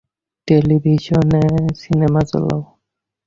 টেলিভিশলে cinema চালাও।